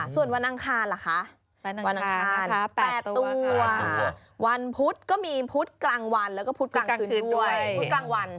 ส่วนวันอังคารเหรอคะวันอังคาร๘ตัววันพุธก็มีพุธกลางวันแล้วก็พุธกลางคืนด้วยพุธกลางวัน